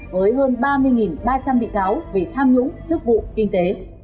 với hơn ba mươi ba trăm linh bị cáo về tham nhũng trước vụ kinh tế